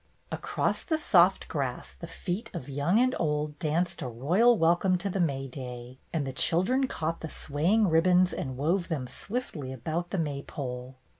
" Across the soft grass the feet of young and old danced a royal welcome to the May day, and the children caught the swaying ribbons and wove them swiftly about the May pole.